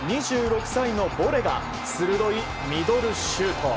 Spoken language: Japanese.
２６歳のボレが鋭いミドルシュート。